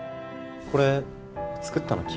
これ作ったの君？